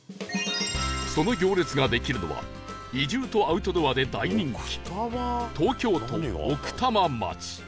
その行列ができるのは移住とアウトドアで大人気東京都奥多摩町